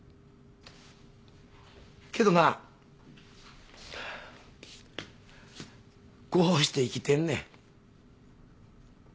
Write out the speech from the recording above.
けどなこうして生きてんねん。